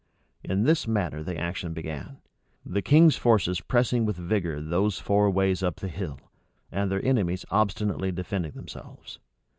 In this manner the action began; the king's forces pressing with vigor those four ways up the hill, and their enemies obstinately defending themselves.